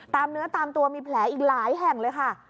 เนื้อตามตัวมีแผลอีกหลายแห่งเลยค่ะ